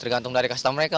gantung dari customer mereka